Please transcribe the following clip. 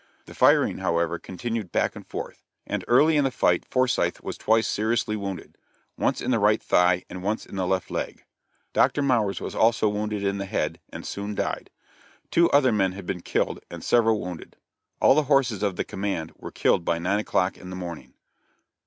The firing, however, continued back and forth, and early in the fight Forsyth was twice seriously wounded once in the right thigh, and once in the left leg. Dr. Mowers was also wounded in the head, and soon died. Two other men had been killed, and several wounded. All the horses of the command were killed by nine o'clock in the morning.